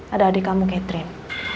ada adik kamu catherine